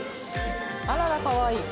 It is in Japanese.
あららかわいい。